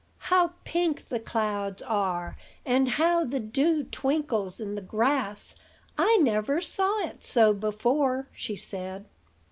"How pink the clouds are, and how the dew twinkles in the grass! I never saw it so before," she said.